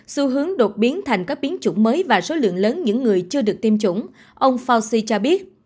xu hướng đột biến thành các biến chủng mới và số lượng lớn những người chưa được tiêm chủng ông fauci cho biết